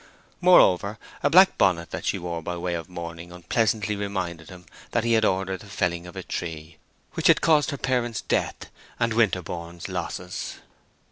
Moreover, a black bonnet that she wore by way of mourning unpleasantly reminded him that he had ordered the felling of a tree which had caused her parent's death and Winterborne's losses.